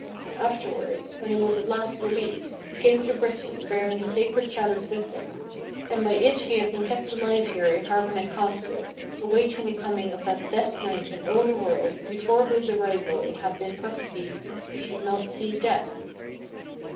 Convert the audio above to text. Afterwards, when he was at last released, he came to Britain bearing the sacred Chalice with him, and by it he had been kept alive here in Carbonek Castle awaiting the coming of that best knight in all the world before whose arrival it had been prophesied he should not see death.